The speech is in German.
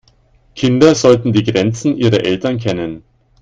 Kinder sollten die Grenzen ihrer Eltern kennen.